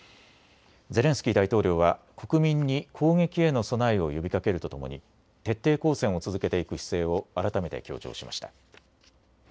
ゼレンスキー大統領は国民に攻撃への備えを呼びかけるとともに徹底抗戦を続けていく姿勢を改めて強調しました。